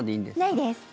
ないです。